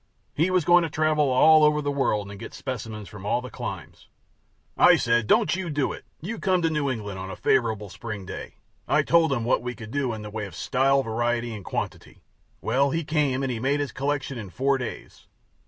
He was going to travel all over the world and get specimens from all the climes. I said, �Don't you do it; you come to New England on a favorable spring day.� I told him what we could do in the way of style, variety, and quantity. Well, he came and he made his collection in four days.